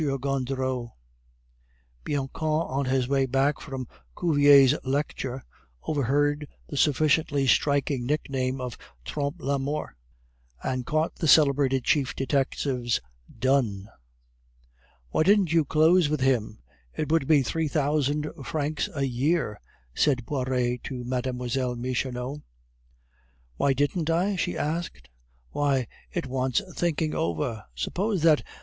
Gondureau." Bianchon, on his way back from Cuvier's lecture, overheard the sufficiently striking nickname of Trompe la Mort, and caught the celebrated chief detective's "Done!" "Why didn't you close with him? It would be three hundred francs a year," said Poiret to Mlle. Michonneau. "Why didn't I?" she asked. "Why, it wants thinking over. Suppose that M.